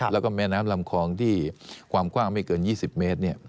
แล้วก็แม่น้ำลำคลองที่ความกว้างไม่เกิน๒๐เมตร